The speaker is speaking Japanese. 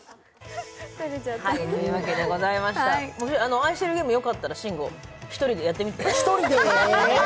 「愛してるゲーム」よかったら慎吾、１人でやってみて。